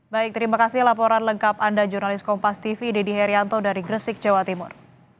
baik terima kasih laporan lengkap anda jurnalis kompas tv dedy herianto dari gresik jawa timur